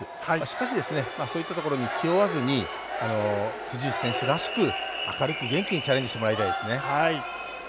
しかし、そういったところに気負わずに辻内選手らしく、明るく元気にチャレンジしてもらいたいですね。